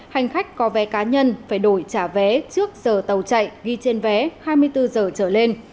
hành khách có vé cá nhân phải đổi trả vé trước giờ tàu chạy ghi trên vé hai mươi bốn giờ trở lên